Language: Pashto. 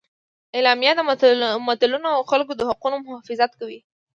اعلامیه د ملتونو او خلکو د حقونو محافظت کوي.